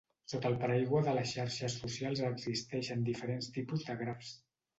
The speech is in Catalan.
Sota el paraigua de les xarxes socials existeixen diferents tipus de grafs.